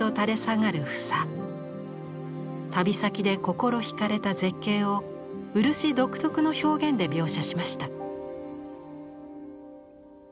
旅先で心惹かれた絶景を漆独特の表現で描写しました。